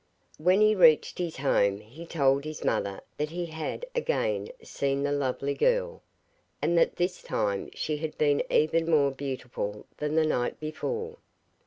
When he reached his home he told his mother that he had again seen the lovely girl, and that this time she had been even more beautiful than the night before.